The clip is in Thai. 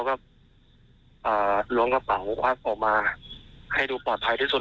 ก็ล้วงกระเป๋าอัพออกมาให้ดูปลอดภัยที่สุด